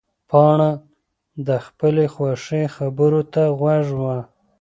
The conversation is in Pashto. پاڼه د خپلې خواښې خبرو ته غوږ وه.